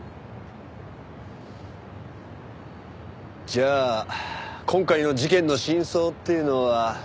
じゃあ今回の事件の真相っていうのは。